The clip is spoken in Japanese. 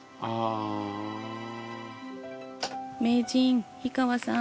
名人氷川さん。